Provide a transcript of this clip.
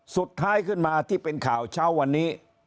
สุดท้ายขึ้นมาที่เป็นข่าวเช้าวันนี้